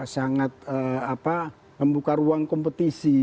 sangat membuka ruang kompetisi